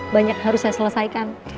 banyak harus saya selesaikan